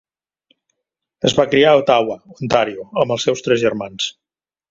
Es va criar a Ottawa, Ontario, amb els seus tres germans.